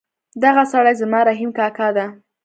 دغه سړی زما رحیم کاکا ده